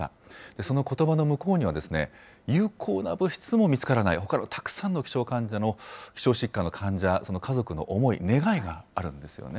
そのことばの向こうには、有効な物質も見つからない、たくさんの希少疾患の患者、その家族の思い、願いがあるんですよ